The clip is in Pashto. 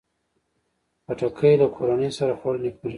خټکی له کورنۍ سره خوړل نیکمرغي ده.